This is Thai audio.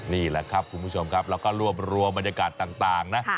นี่แหละครับคุณผู้ชมครับเราก็รวบรวมบรรยากาศต่างนะ